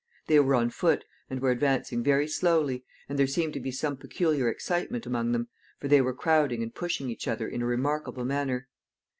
They were on foot, and were advancing very slowly, and there seemed to be some peculiar excitement among them, for they were crowding and pushing each other in a remarkable manner.